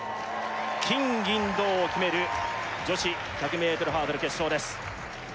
金銀銅を決める女子１００ｍハードル決勝です